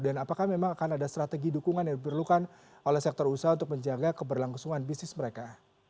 dan apakah memang akan ada strategi dukungan yang diperlukan oleh sektor usaha untuk menjaga keberlangsungan bisnis mereka